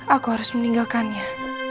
aku harus meninggalkannya